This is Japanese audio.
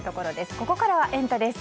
ここからはエンタ！です。